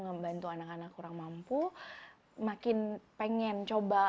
ngebantu anak anak kurang mampu makin pengen coba